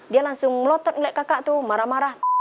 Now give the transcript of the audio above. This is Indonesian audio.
dia langsung ngotot naik kakak tuh marah marah